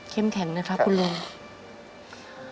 เค็มแข็งนะครับค่ะคุณลุงค่ะ